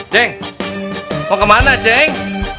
ceng mau ke mana ceng